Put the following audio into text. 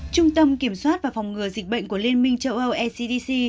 trung tâm kiểm soát và phòng ngừa dịch bệnh của liên minh châu âu ecdc